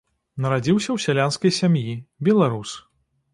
Нарадзіўся ў сялянскай сям'і, беларус.